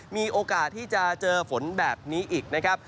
มีโอกาสที่จะเจอฝนแบบนี้อีกนะครับ